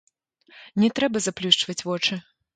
Не трэба заплюшчваць вочы.